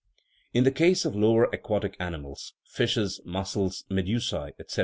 In the case of the lower aquatic animals (fishes, mussels, medusae, etc.)